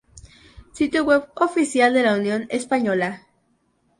Sitio web oficial de la Unión Española